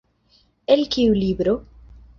El kiu libro?